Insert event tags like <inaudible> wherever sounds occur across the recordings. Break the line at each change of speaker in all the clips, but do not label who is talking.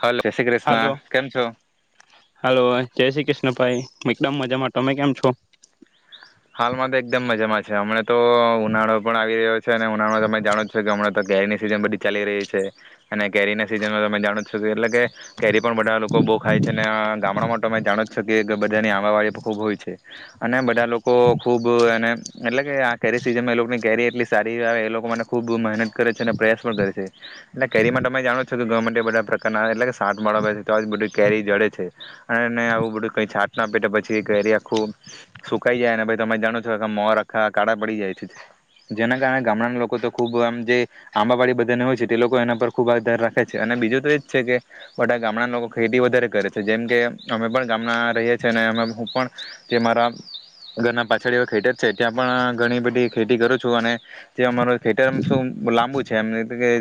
Hello જય Shri Krishna
hello
કેમ છો?
હલો જય શ્રી કૃષ્ણ ભાઈ. એકદમ મજામાં તમે કેમ છો.
હાલમાં તો એકદમ મજામાં છે હમણા. તો ઉનાળો પણ આવી રહ્યો છે અને ઉનાળો તમે જાણો છ છે કે હમણાં. તો કેરીની સિઝન બધી ચાલી રહી છે અને કેરી ના સિઝન માં તમે જાણો છો કે એટલે કે. કેરી પણ બધા લોકો બહુ ખાય છે ને ગામડા માટે. મે જાણો જ શકી કે બધાની આવા વાળી ખુબ હોય છે અને બધા લોકો. લોકો ખૂબ એને એટલે કે આ કેરી સિઝનમાં એ લોકોની કેરી એટલી સારી આવે એ લોકો માટે ખૂબ મહેનત કરે છે અને પ્રયાસ પણ કરે છે એટલે કેરી માટે તમે જાણો છો કે ગવર્મેન્ટ એ બધા પ્રકારના એટલે કે છાટ મળળ છે તો આ જ બધી કેરી જળે છે અને એ આવું બધું કંઈ છાટ ના પેટે પછી કેરી આ ખૂબ સ. તમે જાણો છો આ મો આખા કાળા પડી જાય છે જેના કારણે ગામડાના લોકો તો ખૂબ આમ જે આંબાવાડી બધાને હોય છે તે લોકો એના પર ખૂબ આધાર રાખે છે અને બીજું તો એજ છે કે બધા ગામડાના લોકો ખેતી વધારે કરે છે જેમ કે અમે પણ ગામના રહીએ છીએ અને હું પણ જે મારા. અગરના પાછળ એવા ખેતર છે ત્યાં પણ ઘણી બધી ખેતી કરું છું અને જે અમારો ખેતરમ શું લાંબુ છે એમ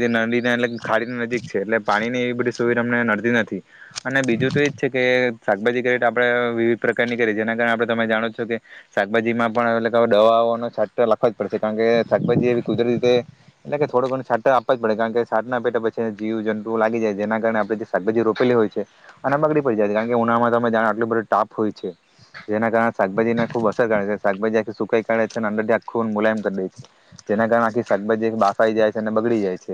જે નદી ખાડી નજીક છે એટલે પાણીની એવી બધી સુવિધા અમને નડતી નથી અને બીજું તો એજ છે કે શાકભાજી કરેટ આપણે વિવિધ પ્રકારની કરીએ જેના કારણે આપણે તમે જાણો છો કે. શાકભાજીમાં પણ એટ દવાઓનો છાટ લખવા જ પડશે કારણ કે શાકભાજી એવી કુદરતી રીતે એટલે કે થોડો ઘણું છાટર આપવા જ પડે કારણ કે સાાટના પેટ પછી જીવ જંતુઓ લાગી જાય જેના કારણે આપણે જે શાકભાજી રોપેલી હોય છે અને બગડી પડી જાય છે કારણ કે ઉનામાં જા આટલું બધું ટાપ હોય છે જેના કારણે શાકભાજીના. ખૂબ અસર કરે છે શાકભાજી આખી સુકાઈ કાઢે છે અને અંદરથી આખું મુલાયમ કરી દે છે જેના કારણે આખી શાકભાજી બાફાાઈ જાય છે અને બગડી જાય છે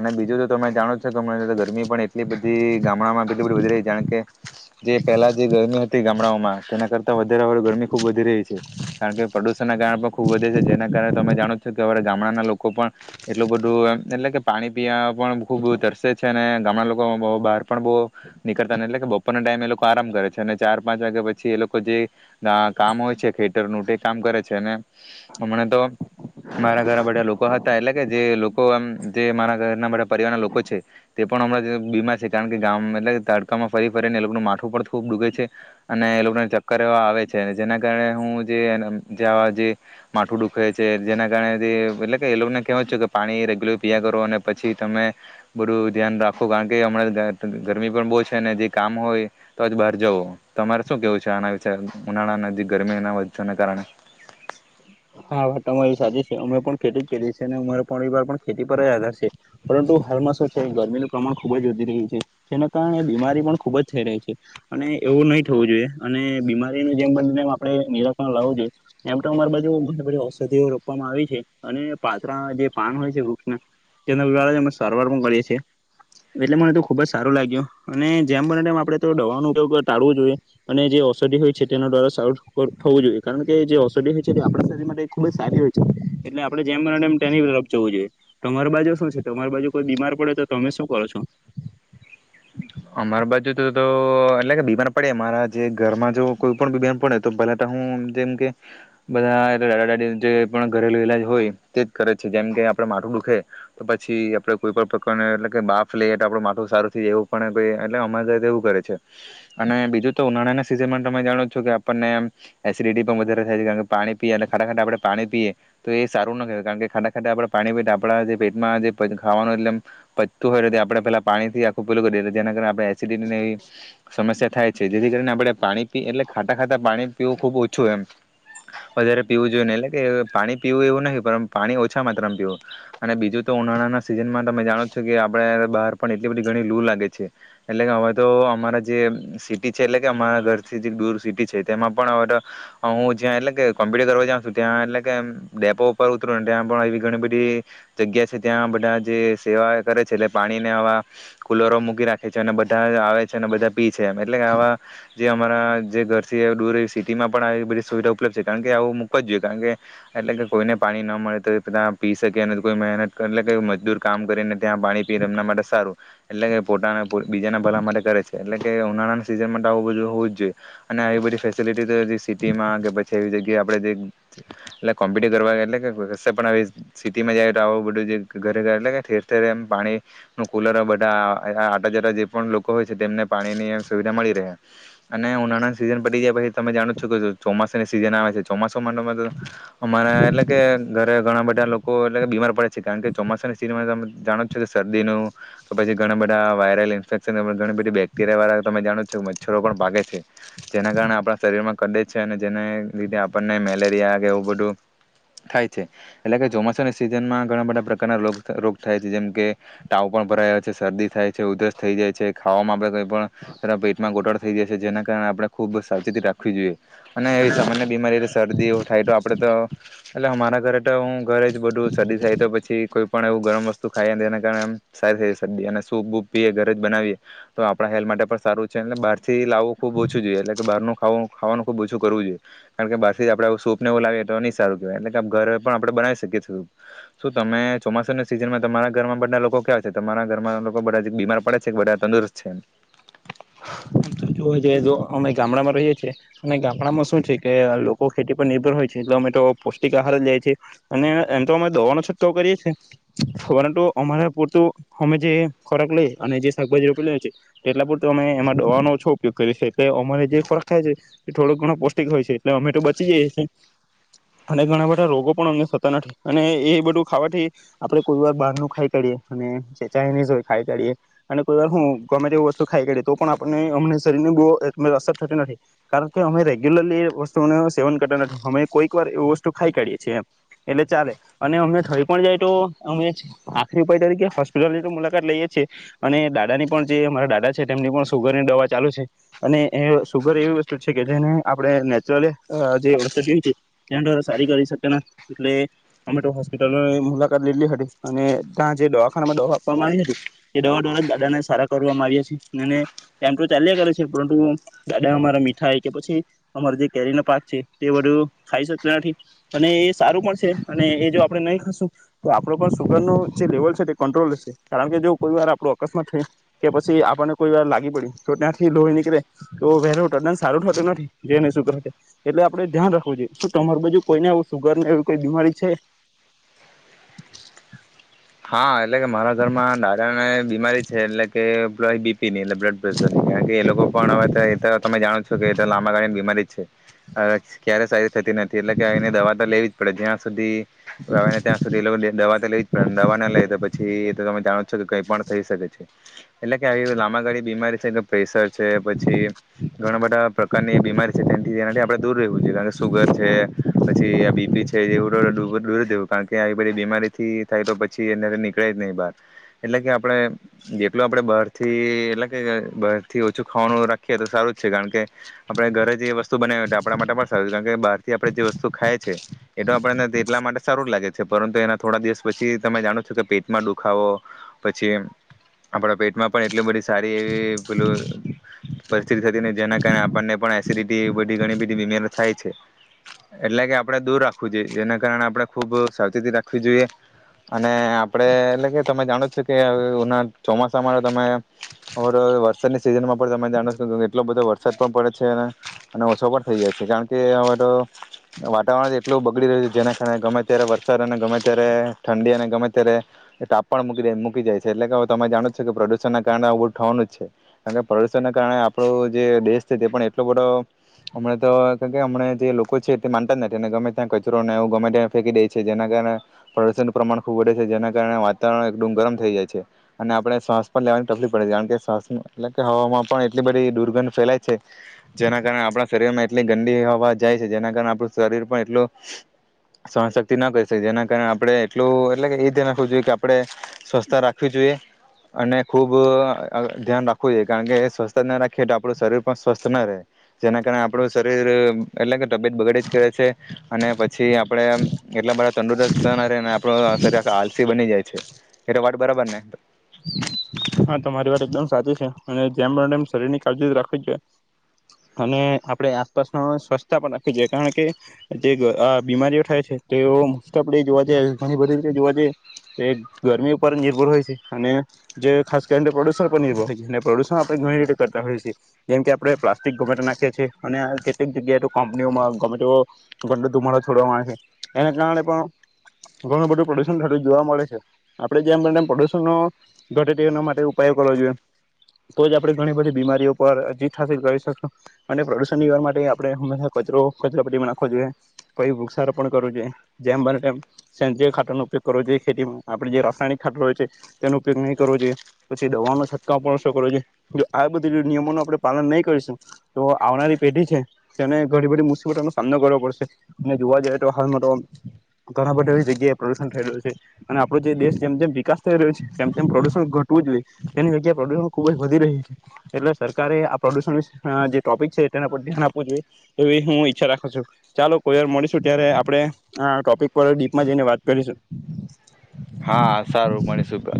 અને બીજું જો તમે જાણો છો ગરમી પણ એટલી બધી ગામડામાં કેટલી બી વધી રહી છે કારણ કે જે પહેલા જે ગરમી હતી ગામડાઓમાં તેના કરતા વધારે વધારે ગરમી. ખૂબ વધી રહી છે કારણ કે પ્રદુષણના કારણે પણ ખૂબ વધે છે જેના કારણે તમે જાણો છો કે અમા ગામડાના લોકો પણ એટલું બધું એમ એટલે કે પાણી પીવા પણ ખૂબ તરસે છે અને ગામડા લોકો બહાર પણ બહુ નીકળતા નથી એટલે કે બપોરના ટાઈમ એ લોકો આરામ કરે છે અને ચાર પાંચ વાગ્યા પછી એ લોકો જે. કામ હોય છે ખેટરનુંટે કામ કરે છે ને. હમણાં તો મારા ઘરા બધા લોકો હતા. એટલે કે જે લોકોમ જે મારા ઘરના બધા પરિવાર ના લોકો છે તે પણ હમણાં બીમાર છે કારણ કે ગામમાં એટલે તડકામાં ફરી ફરીને એ લોકોનું માઠું પણ ખૂબ ડૂબે છે અને એ લોકોને ચક્કર એવા આવે છે. છે જેના કારણે હું જે જેવા જે માથું દુખે છે જેના કારણે જે એટલે કે એ લોકોને કહેવો છું કે પાણી રેગ્યુલર પીયા કરો અને પછી તમે બધું ધ્યાન રાખો કારણ કે હમણાં ગરમી પણ બહુ છે ને જે કામ હોય તો જ બહાર જવો તમારે શું કેવું છે આના વિ. ઉનાળા નદી ગરમીના વધચને કારણે.
હા વા તમારી સાચી છે અમે પણ ખેતી જ કરીએ છીએ અને અમારે પણ વાર પણ ખેતી પર જ આધાર છે પરંતુ હાલમાં શું છે ગરમીનું પ્રમાણ ખુબ જ વધી રહ્યું છે જેના કારણે બીમારી પણ ખુબ જ થઈ રહી છે અને એવું નહી થવું જોઈએ અને બીમારીનું જેમ બ આપણે નિરાકરણ લાવવું જોઈએ. તોરાુ ઘણી બધી ઔષધિઓ રોપવામાં આવી છે અને પાત્રળ જે પાન હોય છે વૃક્ષના તેના દ્વારા અને સારવાર પણ કરીએ છીએ એટલે મને તો ખુબ જ સારું લાગ્યું અને જેમ બને આપે તો દવાનો ઉપયોગ ટાળવો જોઈએ અને જે ઔષધિ હોય છે તેના દ્વારા સારું થવું જોઈએ કારણ કે જે. ય આપણા શરીર માટે ખુબ જ સારી હોય છે એટલે આપણેે જેમની તરફ જવું જોઈએ તમારી બાજુ શું છે તમારી બાજુ કોઈ બીમાર પડે તો તમે શું કરો છો.
અમારા બાજ જોુ તો તો એટલે કે બીમાર પડે મારા જે ઘરમાં જો કોઈ પણ બીમાર પડે તો પેલા તો હું જેમ કે બધા દાદ દાડી જે પણ ઘરેલું ઈલાજ હોય તે જ કરે છે જેમ કે આપડ માથું દુખે તો પછી આપડે કોઈ પણ પ્રકારને એટલે બાફ લઈએટ આપડું માથું સારું થવું. એટલે અમા એવું કરે છે અને બીજું તો ઉનાળાના સિઝન માં તમે જાણો છો કે આપણનેમ એસિડિટી પણ વધારે થાય છે કારણ કે પાણી પીએ એટલે ખાડા ખાડા આપણે પાણી પીએ તો એ સારું ના કારણ કે ખાડા ખાડા આપડણે પાણી પીએ આપડા જે પેટમાં જે ખાવાનું એલેમ પચતું હોય છે આપણે પેલા પાણીથી આખું. ગ કરી જેના કારણે આપણે એસિડટીવી સમસ્યા થાય છે જેથી કરીને આપણે પાણીી એટલે ખાતા ખાતા પાણી પીવું ખુબ ઓછું એમ વધારે પીવું જોઈએ ને એટલે કે પાણી પીવું એવું નહી પણ પાણી ઓછા માત્રામાં પીવું અને બીજું તો ઉનાળાના સીઝન માં તમે જાણો છો કે આપણે બહાર પણ એટલી બધી. લ લાગે એટલે કે હવે તો અમારા જે સિટી છે એટલે કે અમારા ઘરથી દૂર સિટી છે તેમાં પણ હવે તો હું જ્યાં એટલે કે કોમ્પ્યુટર કરવા જઉં છું ત્યાં એટલે કે ડેપો ઉપર ઉતરું ત્યાં પણ એ ઘણી બધી જગ્યા છે ત્યાં બધા જે સેવા કરે છે એટલે પાણીને આવા. કુલરો મૂકી રાખે છે અને બધા આવે છે અને બધા પી છે એમ એટલે કે આવા જે અમારા જે ઘર છે દ સિટીમાં પણ આવી બધી સુવિધા ઉપલબ્ધ છે કારણ કે આવું મૂક જ જોઈએ કારણ કે એટલે કે કોઈને પાણી ન મળે તો બધા પી શકે અને કોઈ મહેનત એટલે મજદૂર કામ કરીને ત્યાં પાણી પીને એમના માટે સારું. એટલે કે પોતાના બીજાના ભલા માટે કરે છે એટલે કે ઉનાળાના સિઝન માટે આવું બધું હોવું જ જોઈએ અને આવી બધી ફેસિલિટી તો જે સિટીમાં કે પછી એ જગ્યાએ આપણે જે એટલે કોમ્પિટી કરવા એટલે કે કશે પણ સિટીમાં જાયએ તો આવું બધું જે ઘરે ઘર એટલે કે ઠેર ઠેર એ પાણીનું કુલર બ. આટ જટા જે પણ લોકો હોય છે તેમને પાણી ની સુવિધા મળી રહે અને ઉનાળાની સિઝન પડી ગયા પછી તમે જાણો છો કે ચોમાસાની સિઝન આવે છે ચોમાસમાં અમારા એટલે કે ઘરે ઘણા બધા લોકો એટલે બીમાર પડે છે કારણ કે ચોમાસાની સિઝન ત જાણો છો કે શરદીનું. કે પછી ઘણા બધા વાયરલ ઇન્ફેક્શન ઘણી બધી બેક્ટેરિયા વાળા તમે જાણો છો મચ્છરો પણ પાગે છે જેના કારણે આપણા શરીરમાં કડે છે અને જેને લીધે આપણને મેલેરિયા કે એવું બધું થાય છે એટલે કે ચોમાસાની સિઝનમાં ઘણા બધા પ્રકારના રગ રોગ થાય છે જેમ કે તાવ પણ ભરાયો. શરદી થાય છે, ઉધરસ થઈ જાય છે ખાવામાં આપણે કઈ પણ એના પેટમાં ગોટાડ થઈ જાય છે. જેના કારણે આપણે ખૂબ સાવચેતી રાખવી જોઈએ. અને એવી સામાન્ય બીમારી સ શરદી એવું થાય તો આપડે તો એટલે અમારા ઘરે તો હું ઘરે જ બધું શરદી થાય તો પછી કોઈ પણ એવું ગરમ વસ્તુ ખાઈ ને તેના કારણેમ સારી શરદી અને સૂપ બૂપ પીએ ઘરે જ બનાવીએ તો આપણા હેલ્થ માટે પણ સારું છે એટલે બહારથી લાવવું ખુબ ઓછું જોઈએ એટલે કે બારનું ખાવું ખાવાનું ખુબ ઓછું કરવું જોઈએ કારણ કે બાર જ આપણે સૂપ ને એવું લાવીએ તો ની સારું કેવાય એટલે કે ઘરે પણ આપણે બનાવી શકીએ છીએ. શું તમે ચોમાસાની સિઝનમાં તમારા ઘરમાં બઘા લોકો ક્યાં છે? તમારા તમારા લોકો બધા જે બીમાર પડે છે બધા તંદુરસ્ત છે એમ.
<inaudible> અમે ગામડામાં રહીએ છીએ અને ગામડામાં શું છે કે લોકો ખેતી પર નિર્ભર હોય છે એટલે અમે તો પૌષ્ટિક આહાર જ લે છીએ અને એમ તો અમે દવાનો છતો કરીએ છે પરંતુ અમારે પૂરતું અમે જે ખોરાક લઈએ અને જે શાકભાજી રોપી લઈએ છેએ તે એટલા પૂરતું અમે એમાં દવાનો છો ઉપયોગ કરીએ છે એટલે અમારે જે ફરક થાય છે એ થોડોક ઘણો પૌષ્ટિક હોય છે એટલે અમે ટો બચી જાય છે અને ઘણા બધા રોગો પણ અમને થતા નથી અને એ બધું ખાવાથી આપણે કોઈ વાર બહારનું ખાઈ કાઢીએ અને જે ચાાઈનીઝ હોય ખાઈ કાઢીએ અને કોઈ વાર હું ગમે એ વસ્તુ ખાઈ કાઢીએ તો પણ આપણે અમને શરીરને બવ અ અસર થતી નથી કારણ કે અમે રેગ્યુલરલી એ વસ્તુનું સેવન કરતા નથી અમે કોઈક વાર એ વસ્તુ ખાઈ કાઢીએ છીએ એમ એટલે ચાલે અને અમે થઈ પણ જાય તો અમે આખરી ઉપાય તરીકે હોસ્પિટલની તો મુલાકાત લઈએ છીએ અને દાદાની પણ જે અમારા દાદા છે તેમની પણ સુગરની દવા ચાલુ છે અને એ સુગર એવી વસ્ટુ છે કે જેને આપણે નેચરલ અ જે <unintelligible> છે તેના દ્વારા સારી કરી શકીએ નથી. એટલે અમેટો હોસ્પિટલોની મુલાકાત લીધલી હતી અને ત્યાં જે દવાખાનામાં દવા આપવામાં આવી હતી એ દવા દ્વારા દાદાને સારા કરવામાં આવીયા છે અને <unintelligible> ચાલ્યા કરે છે પરંતુ દાદા અમારા મીઠાઈ કે પછી અમારો જે કેરીનો પાક છે તે બધું ખાઈ શકતા નથી અને એ સારું પણ છે અને એ જો આપણે નહીં ખાશું તો આપણો પણ સુુગરનું જે લેવલ છે તે કંટ્રોલ રહેશે કારણ કે જો કોઈ વાર આપણો અકસ્માત થઈ કે પછી આપણને કોઈ વાર લાગી પડી તો ત્યાથી લોહી નીકળે તો વહે તદન સારું થતો નથી જેને સુગર એટલે આપણે ધ્યાન રાખવું જોઈએ. શું તમારું બાજુ કોઈને એવું સુગર ને એવી કોઈ બીમારી છે?
હા એટલે કે મારા ઘરમાં દાદાને બી મારી છે એટલે કે <unintelligible> હાઈ બીપીની બ્લડ પ્રેશર નહી કારણ કે એ લોકો પણ હવે તમે જાણો છો કે લાંબાળની બીમારી જ છે હવે ક્યારે સારી થતી નથી એટલે કે એને દવા તો લેવી. આપડે જ્યાં સુધી. આવેને ત્યાં સુધી એ લોકો દવા તો લેવી જ પડે. દવા ના લઈએ તો પછી એ તો તમે. જાણો છો કે કઈ પણ થઈ શકે છે એટલે કે આવી લાંબા ગાળી બીમારી છે કે પ્રેશર છે પછી ઘણા બધા પ્રકારની બીમારી છે તેથી તેનાથી આપણે દૂર રહેવું જોઈએ. જેણ કે સુગર છે પછી આ બી. છે એવું બધું દૂર રહેવું કારણ કે આવી બધી બીમારીથી થાય તો પછી એમાંથી નીકળે જ નહીં બહાર એટલે કે આપણે જેટલું આપણે બહારથી એટલે કે બહારથી ઓછું ખાવાનું રાખીએ તો સારું જ છે કારણ કે આપણે ઘરે જે વસ્તુ બનાવી આપણા માટે પણ સારું કારણ કે બહારથી આપણે જે વસ્તુ ખાય છે એટલા માટે આપણેને એટલા માટે સારું જ લાગે છે પરંતુ એના થોડા દિવસ પછી. પછી તમે જાણો છો કે પેટમાં દુખાવો પછી આપણા પેટમાં પણ એટલી બધી સારી એવી પેલું પરિસ્થિતિ થતી જેના કારણે આપણને પણ એસિડટી બધી ઘણી બધી બીમારી થાય છે એટલે કે આપણે દૂર રાખવું જોઈએ જેના કારણે આપણે ખૂબ સાવચેતી રાખવી જોઈએ. અને આપણે એટલે કે તમે જાણો છે કેના ચોમાસામાં તો તમે અમારો વરસાદની સિઝનમાં પણ તમે જાણો છો કે એટલો બધો વરસાદ પણ પડે છે અને અને ઓછો પણ થઈ જાય છે કારણ કે અમાર વાતાવરણ એટલું બગડી રહ્યું છે જેના કારણે ગમે ત્યારે વરસાદ અને ગમે ત્યારે. ઠંડી અને ગમે ત્યારે તાપ પણ મૂકી મૂકી જાય છે એટલે કે તમે જાણો જ છો કે પ્રદુષણના કારણે બહુ ન જ છે કારણ કે પ્રદુષણને કારણે આપણો જે દેશ છે તે પણ એટલો બધો હમણા તોમ જે લોકો છે તે માનતા જ નથી અને ગમે ત્યાં કચરોને એવું ગમે ત્યાં ફેંકી દે છે જેના કારણે પ્રદુષણ. પ્રમાણ ખૂબ વધે છે જેના કારણે વાતાવરણ એકદમ ગરમ થઈ જાય છે અને આપણે શ્વાસ પણ લેવાની તકલીફ પડે છે કારણ કે શ્વાસ એટલે કે હવામાં પણ એટલી બધી દુર્ગંધ ફેલાય છે જેના કારણે આપણા શરીર માં એટલી ગંદી હવા જાય છે જેના કારણે આપણું શરીર પણ એટલું સહનશક્તિ ન કરી શકે જેના કારણે આપણે. એટલું એટલે કે એ ધ્યાન રાખવું જોઈએ કે આપણે સ્વચસ્થતા રાખવી જોઈએ અને ખૂબ ધ્યાન રાખવું જોઈએ કારણ કે સ્વચસ્થતા ના રાખીએ તો આપણું શરીર પણ સ્વસ્થ ના રહે જેના કારણે આપણું શરીર એટલે કે તબિયત બગાડી જ કરે છે અને પછી પછી આપડે એટલા બધા તંદુરસ્ત થના ર ને. પણ ક્યારેક આલસી બની જાય છે એ વાત બરાબર ને.
હા તમારી વાત એકદમ સાચી છે અને જેમ શરીરની કળજી રાખવી જોઈએ અને આપણે આસપાસનો સ્વચછતા પણ રાખવી જોઈએ કારણ કે જે બીમારીઓ થાય છે તેઓ મોસ્ટ આપ લી જોવા જઈએ ઘણી બધી રીતે જોવા જઈએ તે ગરમી ઉપર નિર્ભર હોય છે અને જે. ખાસ કરીને પ્રદૂષણ પર નિર્ભર હોય છે, ને પ્રદૂષણ આપણે ઘણી રીતે કરતા હોઈએ છી, જેમ કે આપણે પ્લાસ્ટિક ગોમે ત્યા નાખીએ છે અને આ કેટલીક જગ્યાએ તો કંપનીઓમાં ગોમેતો ગોમેતો ધુમાડો છોડવા માં આવે છે, એના કારણે પણ ઘણું બધું પ્રદૂષણું જોવા થતું મળે છે. આપણે જેમ પ્રદૂષણનો <unintelligible> તેના માટે ઉપાયો કરવા જોઈએ તો જ આપણે ઘણી બધી બીમારીઓ પર જીત હાસિલ કરી શકશું અને પ્રદુષણ નિવારણ માટે આપણે હંમેશા કચરો કચરા પેટીમા નાખવો જોઈએ, પઈ વૃક્ષારોપણ કરવો જોઈએ, જેમ બંને તેમ <unintelligible> ખાતર નો ઉપયોગ કરવો જોઈએ ખેતી આપણે જે રાસાયણિક ખાતર હોય છે તેનો ઉપયોગ નહિં કરવો જોઈએ, પછી દવાઓ નો છંટકાવ પણ ઓછો કરવો જોઈએ. જો આ બધી નિયમો નો આપણે પાલન નહીં કરીશું તો આવનારી પેઢી છે તેને ઘણી બધી મુસીબતોનો સામનો કરવો પડશે અને જોવા જઈએ તો હાલમાં તો ઘણા બધા એવી જગ્યાએ પ્રદુષણ થઈ રહ્યું છે અને આપડો જે દેશ જેમ જેમ વિકાસ થઈ રહ્યો છે તેમ તેમ પ્રદુષણ ઘટવું જોઈએ. તેની જગ્યાએ પ્રદુષણ ખુબ જ વધી રહ્યું છે, એટલે સરકારે આ પ્રદુષણ વિ અહ જે ટોપિક છે તેના પર ધ્યાન આપવું જોઈએ, એવી હું ઈચ્છા રાખું છું. ચાલો કોઈ વાર મળીશું ત્યારે આપણે આ ટોપિક પર ડીપમાં જઈને વાત કરીશું.
હા સારું મળીશું તો.